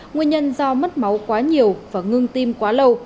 nguyên nhân do mất máu quá nhiều và ngưng tim quá lâu